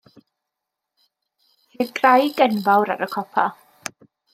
Ceir graig enfawr ar y copa.